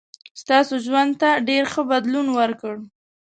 ستاسو ژوند ته ډېر ښه بدلون ورکړ.